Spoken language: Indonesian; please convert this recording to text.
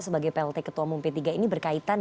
sebagai plt ketua umum p tiga ini berkaitan